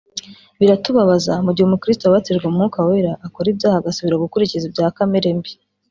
Biratubabaza mu gihe umukiristo wabatijwe mu Mwuka Wera akora ibyaha agasubira gukurikiza ibya kamere mbi